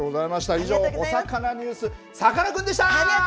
以上、おさかなニュースさかなクンでした。